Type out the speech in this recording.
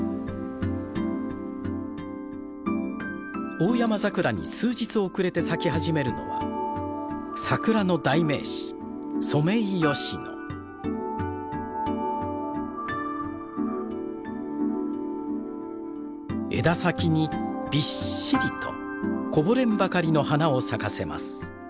オオヤマザクラに数日遅れて咲き始めるのは桜の代名詞枝先にびっしりとこぼれんばかりの花を咲かせます。